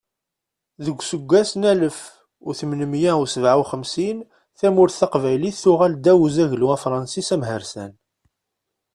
Deg useggas n alef u tmenmiyya u sebɛa u xemsin, tamurt taqbaylit tuɣal ddaw n uzaglu afṛensis amhersan.